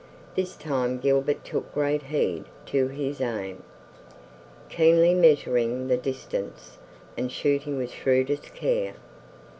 This time Gilbert took great heed to his aim, keenly measuring the distance and shooting with shrewdest care.